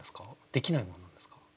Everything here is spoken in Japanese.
できないものなんですか？